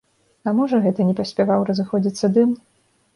А можа, гэта не паспяваў разыходзіцца дым?